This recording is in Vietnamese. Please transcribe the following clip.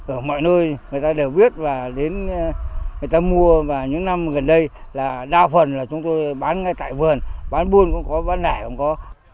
ở mọi nơi người ta đều biết và đến người ta mua và những năm gần đây là đa phần là chúng tôi bán ngay tại vườn bán buôn cũng có bán nẻ cũng có